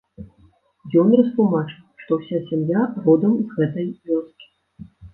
Ён растлумачыў, што ўся сям'я родам з гэтай вёскі.